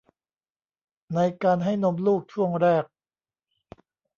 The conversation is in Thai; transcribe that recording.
ในการให้นมลูกช่วงแรก